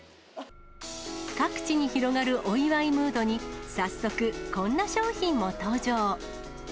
各地に広がるお祝いムードに、早速、こんな商品も登場。